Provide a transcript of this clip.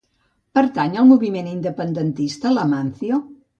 Pertany al moviment independentista l'Amancio?